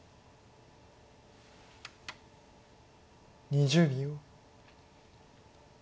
２０秒。